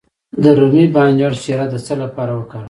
د رومي بانجان شیره د څه لپاره وکاروم؟